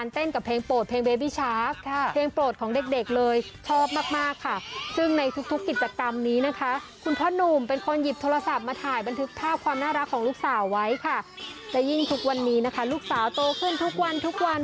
แต่ยิ่งทุกวันนี้นะคะลูกสาวโตขึ้นทุกวัน